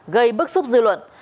gây bức xúc dư luận